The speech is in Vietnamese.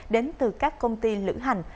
đến từ các công ty lữ hành